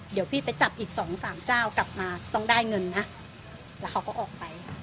เดี๋ยวพี่ไปจับอีกสองสามเจ้ากลับมาต้องได้เงินนะแล้วเขาก็ออกไป